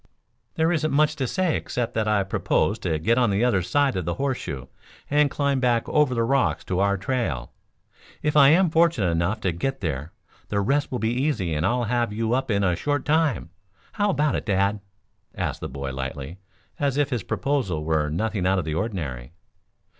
"There isn't much to say, except that I propose to get on the other side of the horseshoe and climb back over the rocks to our trail. If I am fortunate enough to get there the rest will be easy and I'll have you up in a short time. How about it, Dad?" asked the boy lightly, as if his proposal were nothing out of the ordinary.